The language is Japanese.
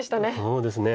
そうですね